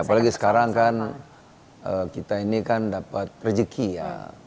apalagi sekarang kan kita ini dapat rezeki ya